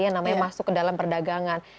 yang namanya masuk ke dalam perdagangan